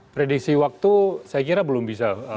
prediksi waktu saya kira belum bisa